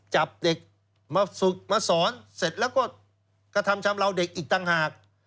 จับเด็กมาฝึกมาสอนเสร็จแล้วก็กระทำชำราวเด็กอีกต่างหาก